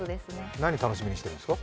何楽しみにしてるんですか？